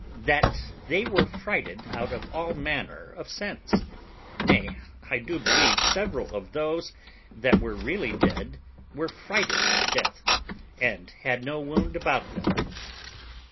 that they were frighted out of all manner of sense; nay, I do believe several of those that were really dead, were frighted to death, and had no wound about them.